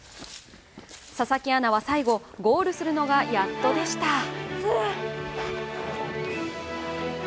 佐々木アナは最後ゴールするのがやっとでした。